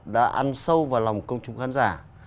đã ăn sâu vào lòng công chúng khán giả